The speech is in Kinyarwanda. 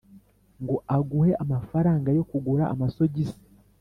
ngo aguhe amafaranga yo kugura amasogisi